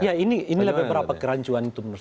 ya ini lebih berapa kerancuan itu